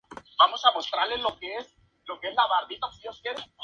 Cenizas Volcánicas de grano grueso en la parte más alta.